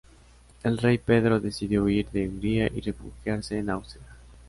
El rey Pedro decidió huir de Hungría y refugiarse en Austria.